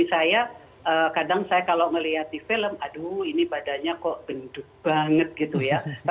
saya kadang saya kalau melihat di film aduh ini badannya kok benduk banget gitu ya